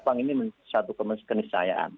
bank ini satu kenisayaan